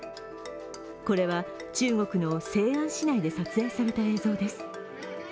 これは中国の西安市内で撮影された映像です。